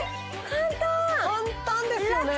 簡単簡単ですよね